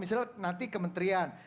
misalnya nanti kementerian